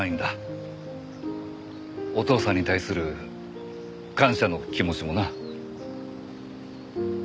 お父さんに対する感謝の気持ちもな。